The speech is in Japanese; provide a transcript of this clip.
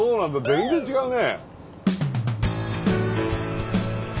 全然違うね。